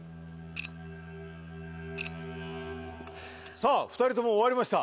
さぁ２人とも終わりました。